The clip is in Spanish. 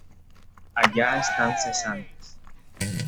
Allá están cesantes.